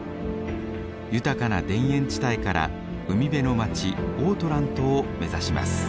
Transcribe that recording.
豊かな田園地帯から海辺の街オートラントを目指します。